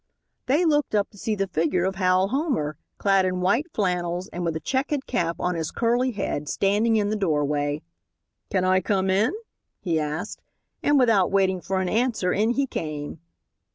They looked up to see the figure of Hal Homer, clad in white flannels, and with a checked cap on his curly head, standing in the doorway. "Can I come in?" he asked, and without waiting for an answer in he came.